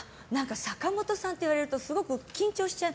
坂本さんって言われるとすごく緊張しちゃう。